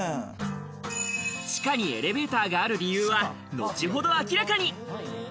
地下にエレベーターがある理由は、後ほど明らかに！